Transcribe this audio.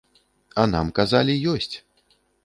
А нам казалі, ёсць!